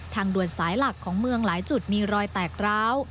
ทางด่วนสายหลักของเมืองหลายจุดมีรอยแตกร้าว